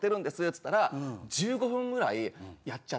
つったら１５分ぐらいやっちゃって。